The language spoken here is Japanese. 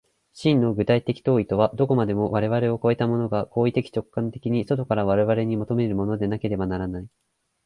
真の具体的当為とは、どこまでも我々を越えたものが行為的直観的に外から我々に求めるものでなければならない。